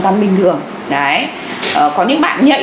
thì các bạn lại